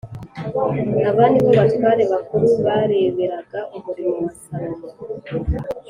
Abo ni bo batware bakuru bareberaga umurimo wa Salomo